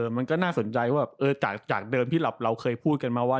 มันก็น่าสนใจว่าจากเดิมที่เราเคยพูดกันมาว่า